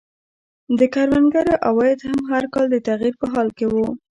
د کروندګرو عواید هم هر کال د تغییر په حال کې وو.